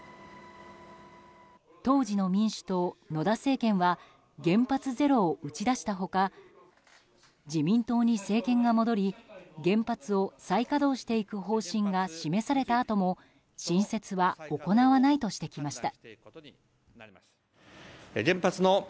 当時の民主党・野田政権は原発ゼロを打ち出した他自民党に政権が戻り原発を再稼働していく方針が示されたあとも新設は行わないとしてきました。